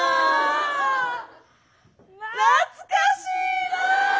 懐かしいなあ！